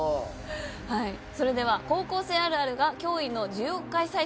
それでは「“高校生あるある”が驚異の１０億回再生！